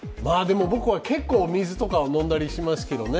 僕は結構、水とかは飲んだりしますけどね。